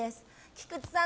菊地さん